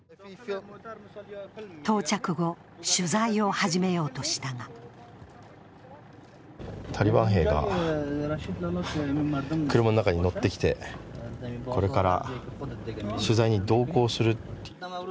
到着後、取材を始めようとしたがタリバン兵が車の中に乗ってきて、これから取材に同行するって。